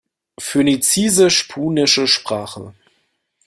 Phönizisch-Punische Sprache